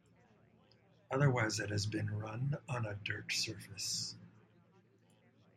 Otherwise, it has been run on a dirt surface.